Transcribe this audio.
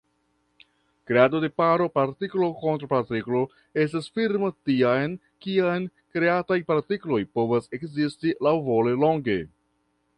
Kreado de paro partiklo-kontraŭpartiklo estas firma tiam, kiam kreataj partikloj povas ekzisti laŭvole longe.